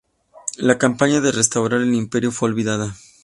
La campaña de restaurar el imperio fue olvidada.